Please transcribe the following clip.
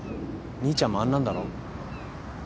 兄ちゃんもあんなんだろ。